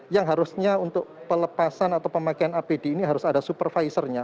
yang harusnya untuk pelepasan atau pemakaian apd ini harus ada supervisornya